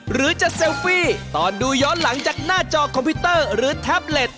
หรือจะเซลฟี่ตอนดูย้อนหลังจากหน้าจอคอมพิวเตอร์หรือแท็บเล็ต